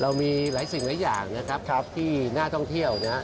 เรามีหลายสิ่งหลายอย่างนะครับที่น่าท่องเที่ยวนะครับ